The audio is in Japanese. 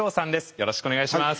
よろしくお願いします。